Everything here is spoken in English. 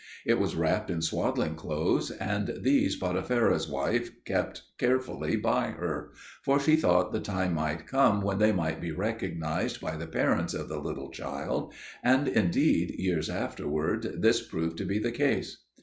It was wrapped in swaddling clothes, and these Potipherah's wife kept carefully by her; for she thought the time might come when they might be recognised by the parents of the little child; and indeed, years afterwards, this proved to be the case.